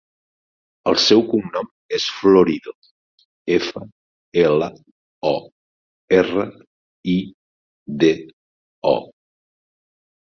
El seu cognom és Florido: efa, ela, o, erra, i, de, o.